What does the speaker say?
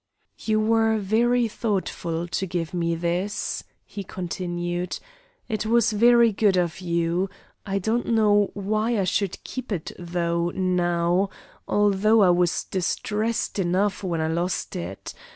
"You were very thoughtful to give me this," he continued; "it was very good of you. I don't know why I should keep it though, now, although I was distressed enough when I lost it.